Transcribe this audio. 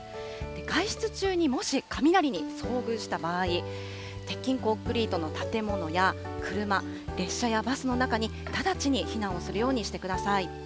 外出中にもし雷に遭遇した場合、鉄筋コンクリートの建物や車、列車やバスの中に直ちに避難をするようにしてください。